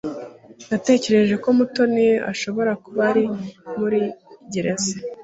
Natekereje ko Mutoni ashobora kuba ari muri gereza.